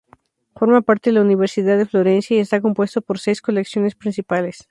Forma parte de la Universidad de Florencia y está compuesto por seis colecciones principales.